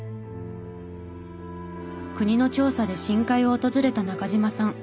国の調査で深海を訪れた中嶋さん。